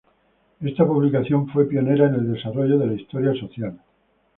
Esta publicación fue pionera en el desarrollo de la historia social.